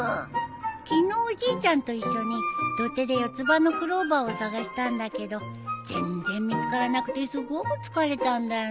昨日おじいちゃんと一緒に土手で四つ葉のクローバーを探したんだけど全然見つからなくてすごく疲れたんだよね。